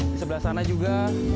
di sebelah sana juga